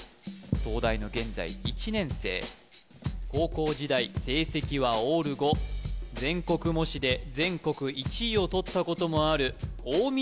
東大の現在１年生高校時代成績はオール５全国模試で全国１位をとったこともある大道